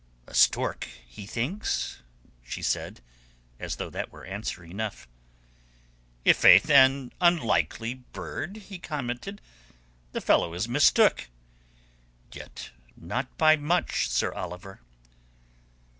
"A stork, he thinks," she said, as though that were answer enough. "I' faith an unlikely bird," he commented. "The fellow is mistook." "Yet not by much, Sir Oliver."